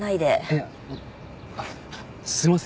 いやすいません。